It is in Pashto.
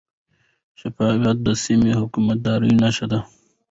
شفافیت د سم حکومتدارۍ نښه ده.